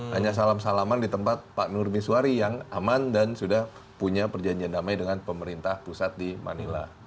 hanya salam salaman di tempat pak nur miswari yang aman dan sudah punya perjanjian damai dengan pemerintah pusat di manila